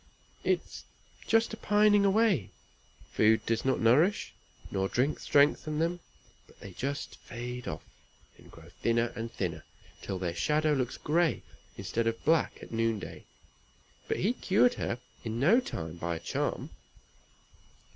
"It is just a pining away. Food does not nourish nor drink strengthen them, but they just fade off, and grow thinner and thinner, till their shadow looks gray instead of black at noonday; but he cured her in no time by a charm."